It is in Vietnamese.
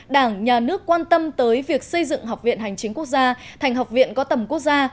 đảng nhà nước quan tâm tới việc xây dựng học viện hành chính quốc gia thành học viện có tầm quốc gia